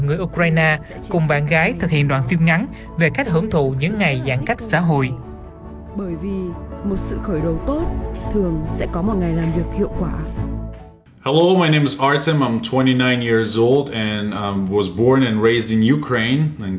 ở ukraine cùng bạn gái thực hiện đoạn phim ngắn về cách hưởng thụ những ngày giãn cách xã hội